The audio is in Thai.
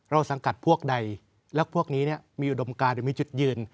สังกัดพวกใดและพวกนี้มีอุดมการหรือมีจุดยืน